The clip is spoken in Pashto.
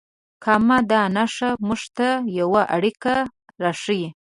کامه دا نښه موږ ته یوه اړیکه راښیي.